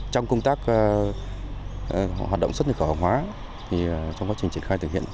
trong công tác hoạt động xuất hiện khẩu hàng hóa trong quá trình triển khai thực hiện